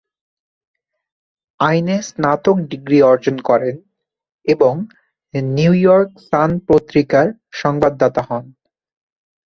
আইনে স্নাতক ডিগ্রী অর্জন করেন এবং "নিউইয়র্ক সান পত্রিকার" সংবাদদাতা হন।